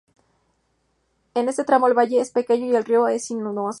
En ese tramo, el valle es pequeño y el río es sinuoso.